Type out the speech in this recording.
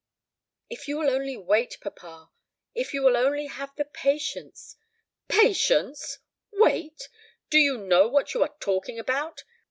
"If you will only wait, papa, if you will only have patience " "Patience! Wait! Do you know what you are talking about?